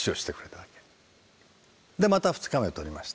でまた２日目撮りました。